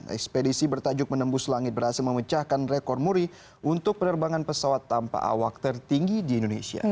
ekspedisi bertajuk menembus langit berhasil memecahkan rekor muri untuk penerbangan pesawat tanpa awak tertinggi di indonesia